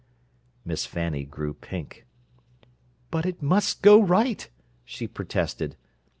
Miss Fanny grew pink. "But it must go right!" she protested.